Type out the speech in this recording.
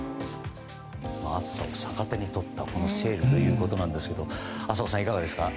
暑さを逆手に取ったセールということなんですが浅尾さん、いかがですか？